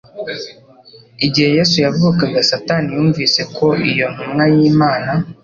Igihe Yesu yavukaga Satani yumvise ko iyo ntumwa y'Imana,